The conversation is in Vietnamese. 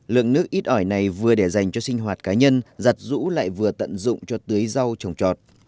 lượng nước ít ỏi này vừa để dành cho sinh hoạt cá nhân giặt rũ lại vừa tận dụng cho tưới rau trồng trọt